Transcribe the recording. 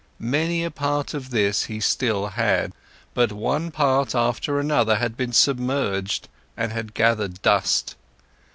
Many a part of this he still had, but one part after another had been submerged and had gathered dust.